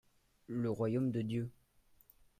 le Royaume de Dieu.